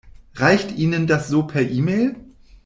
Reicht Ihnen das so per E-Mail?